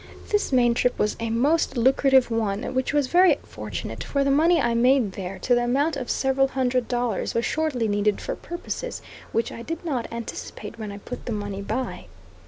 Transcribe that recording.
This Maine trip was a most lucrative one, which was very fortunate, for the money I made there, to the amount of several hundred dollars, was shortly needed for purposes which I did not anticipate when I put the money by.